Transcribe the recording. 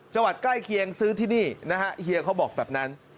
ใกล้เคียงซื้อที่นี่นะฮะเฮียเขาบอกแบบนั้น